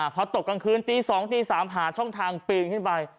พอตกกลางคืนตี๒ตี๓หาช่องทางปีนขึ้นไป